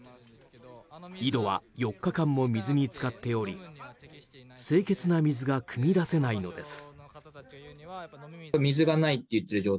井戸は４日間も水に浸かっており清潔な水がくみ出せないのです。